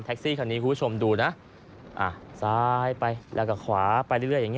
แท็กซี่คันนี้คุณผู้ชมดูนะอ่ะซ้ายไปแล้วกับขวาไปเรื่อยเรื่อย